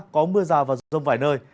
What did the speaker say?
có mưa rào và giông vải nơi